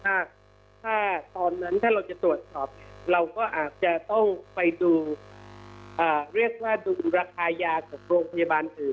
ถ้าตอนนั้นถ้าเราจะตรวจสอบเราก็อาจจะต้องไปดูเรียกว่าดูราคายากับโรงพยาบาลอื่น